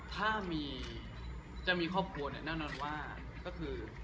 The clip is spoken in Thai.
ถ้ามีคนเรื่อยก็คือ